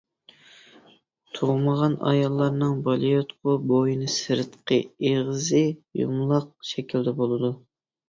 تۇغمىغان ئاياللارنىڭ بالىياتقۇ بوينى سىرتقى ئېغىزى يۇمىلاق شەكلىدە بولىدۇ.